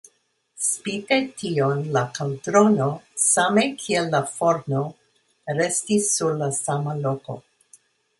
Spite tion la kaldrono, same kiel la forno, restis sur la sama loko.